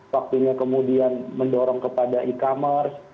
waktunya kemudian mendorong kepada e commerce